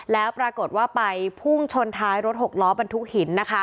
และปรากฏไปพรุ่งชนท้ายรถหกล้อบันทุกหิน